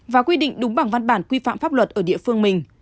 và quy định đúng bằng văn bản quy phạm pháp luật ở địa phương mình